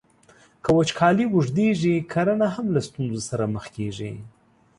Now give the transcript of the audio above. که وچکالۍ اوږدیږي، کرنه هم له ستونزو سره مخ کیږي.